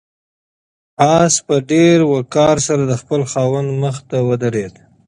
آس په ډېر وقار سره د خپل خاوند مخې ته ودرېد.